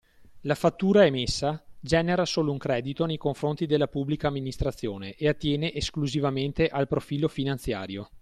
La fattura emessa genera solo un credito nei confronti della pubblica amministrazione e attiene esclusivamente al profilo finanziario.